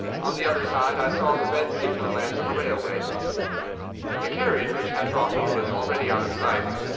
On the other side I saw the red signal lamps of a railway. "The carriage which had brought me was already out of sight.